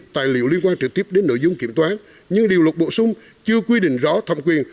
tài liệu liên quan trực tiếp đến nội dung kiểm toán nhưng điều luật bổ sung chưa quy định rõ thẩm quyền